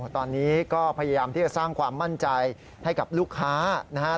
ตอนนี้ก็พยายามที่จะสร้างความมั่นใจให้กับลูกค้านะครับ